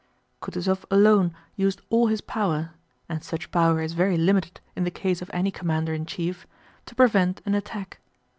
Kutúzov alone used all his power (and such power is very limited in the case of any commander in chief) to prevent an attack.